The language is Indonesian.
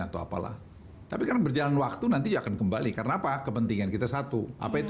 atau apalah tapi kan berjalan waktu nanti akan kembali karena apa kepentingan kita satu apa itu